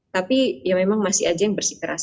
tapi ya memang masih aja yang bersikeras